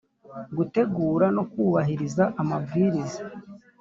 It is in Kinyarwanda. gutegura no kubahiriza amabwiriza